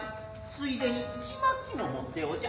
ついでに粽も持っておじゃ。